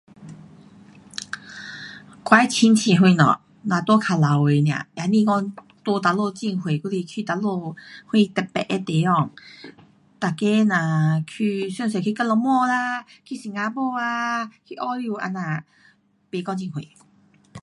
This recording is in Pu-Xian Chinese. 我的亲戚什么只在靠牢围尔，也不讲在哪里很远去哪里什特别的地方。每个只去最多去吉隆坡啦，去新加坡啊，去澳洲这样，不讲很远。